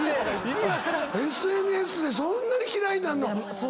ＳＮＳでそんなに嫌いになるの？